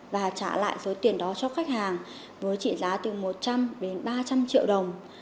và trả lại số tiền đó cho khách hàng với trị giá từ một trăm linh đến ba trăm linh triệu đồng